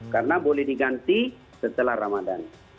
karena boleh diganti setelah ramadhan